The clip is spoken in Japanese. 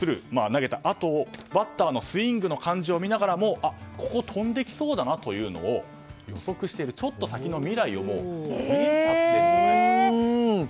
投げた後、バッターのスイングの感じを見ながらもここに飛んできそうだというのをちょっと先の未来を見ちゃっているんですね。